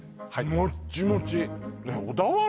もっちもち